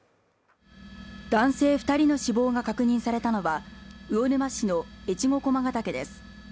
男性二人の死亡が確認されたのは魚沼市の越後駒ヶ岳です